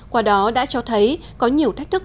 qua đó đã cho thấy có nhiều thách thức